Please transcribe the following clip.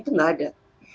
itu tidak ada